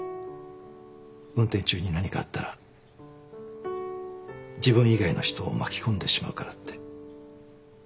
運転中に何かあったら自分以外の人を巻き込んでしまうからって。